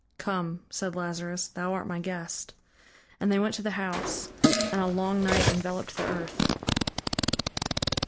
"Come" said Lazarus "Thou art my guest." And they went to the house. And a long night enveloped the earth.